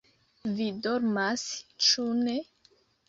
vi dormas, ĉu ne?